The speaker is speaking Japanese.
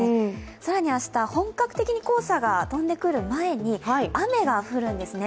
更に明日、本格的に黄砂が飛んでくる前に雨が降るんですね。